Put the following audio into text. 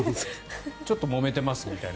ちょっともめてますみたいな。